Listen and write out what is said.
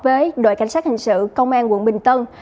với đội cảnh sát hình sự công an quận bình tân